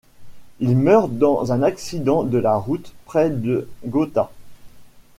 Il meurt dans un accident de la route près de Gotha.